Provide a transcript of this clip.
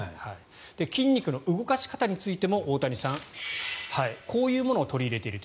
筋肉の動かし方についても大谷さん、こういうものを取り入れていると。